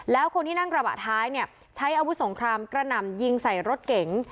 แล้วคนที่นั่งกระบะท้ายเนี่ยใช้อาวุธสงครามกระหน่ำยิงใส่รถเก๋ง